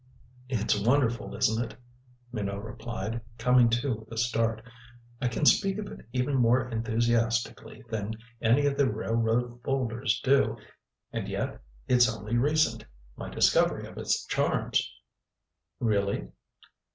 "It's wonderful, isn't it?" Minot replied, coming to with a start. "I can speak of it even more enthusiastically than any of the railroad folders do. And yet, it's only recent my discovery of its charms." "Really?"